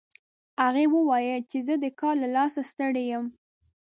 هغې وویل چې زه د کار له لاسه ستړي یم